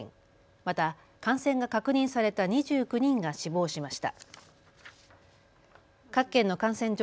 また感染が確認された２９人が死亡しました。